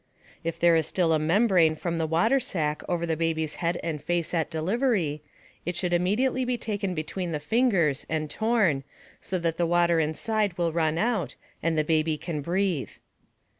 If there is still a membrane from the water sac over the baby's head and face at delivery, it should immediately be taken between the fingers and torn so that the water inside will run out and the baby can breathe.